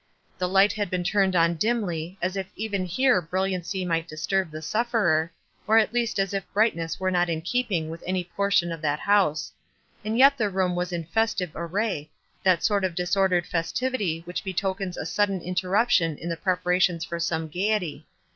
The light had been turned on dimly, as if even here brilliancy might disturb the sufferer, or at least as if brightness were not in keeping with any portion of that house ; and yet the room was in festive array, that sort of disordered festivity which betokens a sudden interruption in the preparations for some gayety.